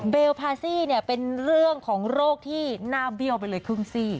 พาซี่เนี่ยเป็นเรื่องของโรคที่หน้าเบี้ยวไปเลยครึ่งซีก